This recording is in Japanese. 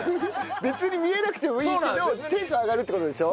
別に見えなくてもいいけどテンション上がるって事でしょ？